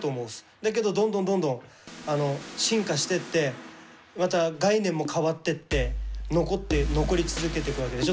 だけどどんどんどんどん進化してってまた概念も変わってって残り続けていくわけでしょ。